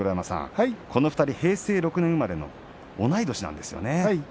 この２人は平成６年生まれの同い年なんですよね。